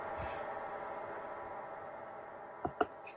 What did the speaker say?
Es una bacteria patógena que puede ocasionar infección y enfermedad en humanos.